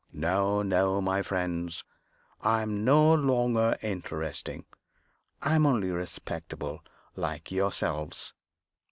No, no, my friends! I am no longer interesting I am only respectable like yourselves.